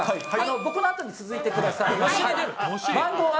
僕のあとに続いてください。